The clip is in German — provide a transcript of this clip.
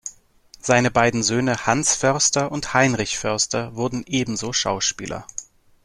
Seine beiden Söhne Hans Förster und Heinrich Förster wurden ebenso Schauspieler.